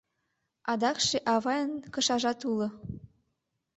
Адакше авайын кышажат уло...